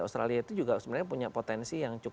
australia itu juga sebenarnya punya potensi yang cukup